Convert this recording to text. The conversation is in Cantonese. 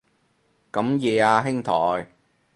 咁夜啊兄台